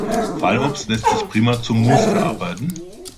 Fallobst lässt sich prima zu Muß verarbeiten.